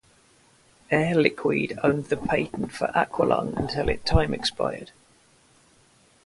Air Liquide owned the patent for Aqua-Lung until it time-expired.